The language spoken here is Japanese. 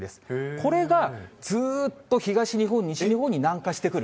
これがずーっと東日本、西日本に南下してくる。